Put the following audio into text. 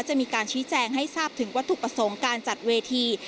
จะมีการชี้แจงให้ทราบถึงวัตถุประสงค์การจัดเวที